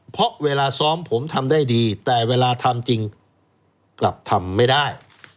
เพราะเวลาซ้อมผมทำได้ดีแต่เวลาทำจริงกลับทำไม่ได้